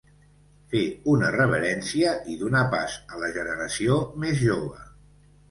Fer una reverència i donar pas a la generació més jove.